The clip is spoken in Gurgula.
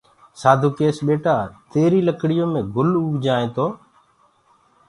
سآڌوٚ ڪيس ٻيٽآ تيريٚ لڪڙيو مي گُل اوگجآئينٚ تو